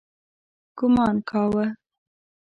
ګومان کاوه.